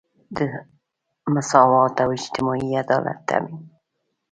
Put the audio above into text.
د مساوات او اجتماعي عدالت تامین.